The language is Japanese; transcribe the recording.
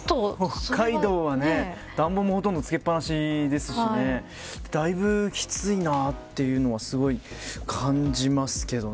北海道は暖房もほとんど付けっぱなしですしだいぶきついなあというのは感じますけどね。